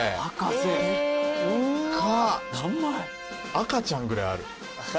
赤ちゃんぐらいある。